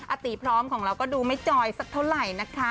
อาตีพร้อมของเราก็ดูไม่จอยสักเท่าไหร่นะคะ